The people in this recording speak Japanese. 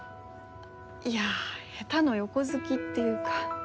いやぁ下手の横好きっていうか。